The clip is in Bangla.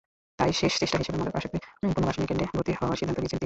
তাই শেষ চেষ্টা হিসেবে মাদকাসক্তি পুনর্বাসনকেন্দ্রে ভর্তি হওয়ার সিদ্ধান্ত নিয়েছেন তিনি।